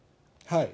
はい。